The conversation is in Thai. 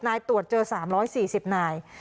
นายตรวจเจอ๓๔๐นาย